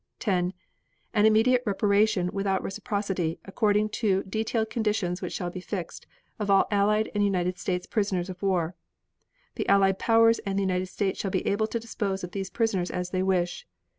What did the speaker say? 10. An immediate repatriation without reciprocity according to detailed conditions which shall be fixed, of all Allied and United States prisoners of war. The Allied Powers and the United States shall be able to dispose of these prisoners as they wish.